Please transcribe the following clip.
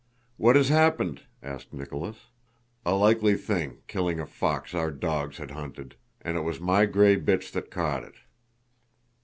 "What has happened?" asked Nicholas. "A likely thing, killing a fox our dogs had hunted! And it was my gray bitch that caught it!